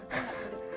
ya sudah ya sudah